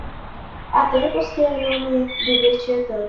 Há tempos que eu não me divertia tanto.